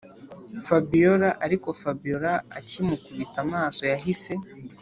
fabiora ariko fabiora akimukubita amaso yahise